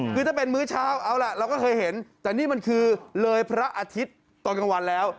คือถ้าเป็นมื้อเช้าเอาล่ะเราก็เคยเห็นแต่นี่มันคือเลยพระอาทิตย์ตอนกลางวันแล้ว